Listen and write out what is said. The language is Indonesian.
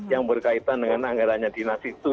yang berkaitan dengan anggaranya dinas itu